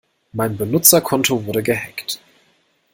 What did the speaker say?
Mein Benutzerkonto wurde gehackt.